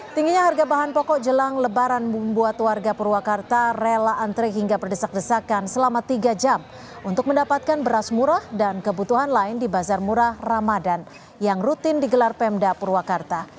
tingginya harga bahan pokok jelang lebaran membuat warga purwakarta rela antre hingga berdesak desakan selama tiga jam untuk mendapatkan beras murah dan kebutuhan lain di bazar murah ramadan yang rutin digelar pemda purwakarta